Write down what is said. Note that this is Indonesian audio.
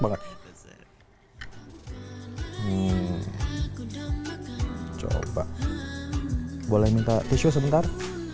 banget coba boleh minta tisu sebentar